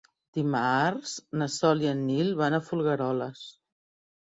Dimarts na Sol i en Nil van a Folgueroles.